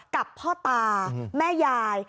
กับพ่อตาแม่ยาย